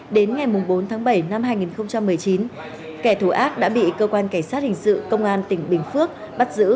đến ngày bốn tháng bảy năm hai nghìn một mươi chín kẻ thù ác đã bị cơ quan cảnh sát hình sự công an tỉnh bình phước bắt giữ